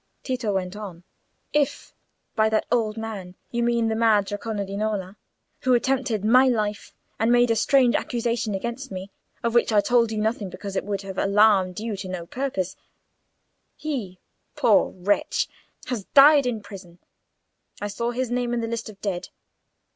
Tito went on. "If by 'that old man' you mean the mad Jacopo di Nola who attempted my life and made a strange accusation against me, of which I told you nothing because it would have alarmed you to no purpose, he, poor wretch, has died in prison. I saw his name in the list of dead."